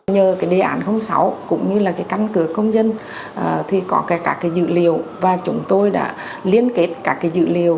nhờ đề ản sáu cũng như căn cửa công dân thì có các dự liệu và chúng tôi đã liên kết các dự liệu